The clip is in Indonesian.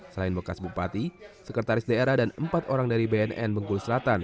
selain bekas bupati sekretaris daerah dan empat orang dari bnn bengkulu selatan